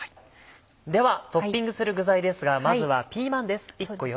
ではトッピングする具材ですがまずはピーマンです。